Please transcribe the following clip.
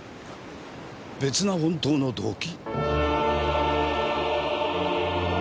別な本当の動機。